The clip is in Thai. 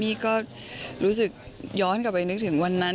นี่ก็รู้สึกย้อนกลับไปนึกถึงวันนั้น